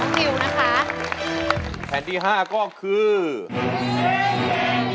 แผ่นเก่งแผ่นเก่งแผ่นเก่งแผ่นเก่งแผ่นเก่ง